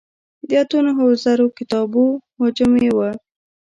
د اتو نهو زرو کتابو حجم یې و.